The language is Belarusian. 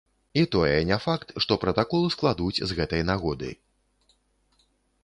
І тое не факт, што пратакол складуць з гэтай нагоды.